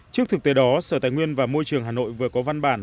trước thực tế đó sở tài nguyên và môi trường hà nội vừa có văn bản